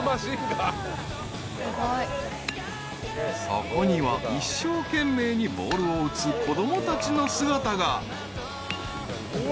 ［そこには一生懸命にボールを打つ子供たちの姿が］